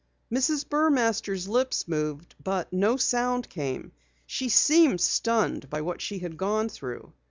Mrs. Burmaster's lips moved, but no sound came. She seemed stunned by what she had gone through.